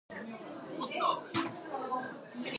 He was relieved by General Joseph Stilwell.